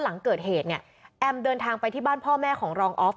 หลังเกิดเหตุเนี่ยแอมเดินทางไปที่บ้านพ่อแม่ของรองออฟ